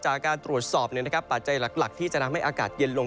จากการตรวจสอบปัจจัยหลักที่จะทำให้อากาศเย็นลง